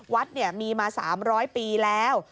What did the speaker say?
วัดมีมา๓๐๐ปีแล้ว